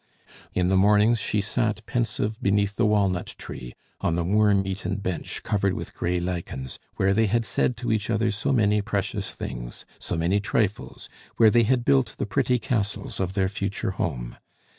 In the mornings she sat pensive beneath the walnut tree, on the worm eaten bench covered with gray lichens, where they had said to each other so many precious things, so many trifles, where they had built the pretty castles of their future home.